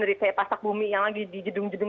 dari kayak pasak bumi yang lagi di gedung gedung